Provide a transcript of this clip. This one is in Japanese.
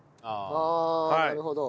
ああなるほど。